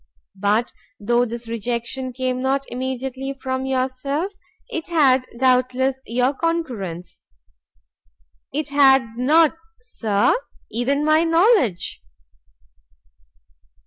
But though this rejection came not immediately from yourself, it had doubtless your concurrence." "It had not, Sir, even my knowledge."